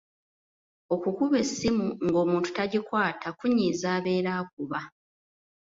Okukuba essimu ng’omuntu tagikwata kunyiiza abeera akuba.